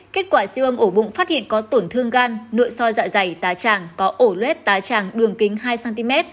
kết quả siêu âm ổ bụng phát hiện có tổn thương gan nội soi dạ dày tá tràng có ổ lết tá tràng đường kính hai cm